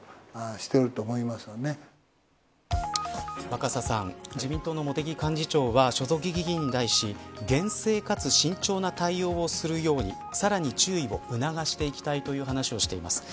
若狭さん、自民党の茂木幹事長は所属議員に対し厳正かつ慎重な対応をするようにさらに注意を促していきたいという話をしています。